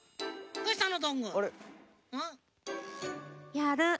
やる。